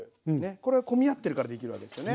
これ混み合ってるからできるわけですよね。